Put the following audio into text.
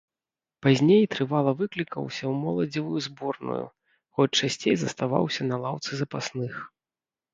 Пазней трывала выклікаўся ў моладзевую зборную, хоць часцей заставаўся на лаўцы запасных.